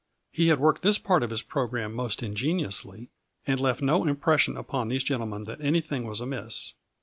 He had worked this part of his programme most ingeniously, and left no impression upon these gentlemen that anything was amiss.